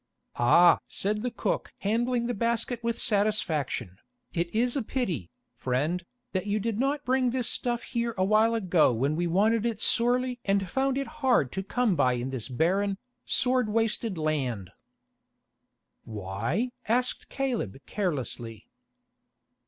"Ah!" said the cook handling the basket with satisfaction, "it is a pity, friend, that you did not bring this stuff here a while ago when we wanted it sorely and found it hard to come by in this barren, sword wasted land." "Why?" asked Caleb carelessly.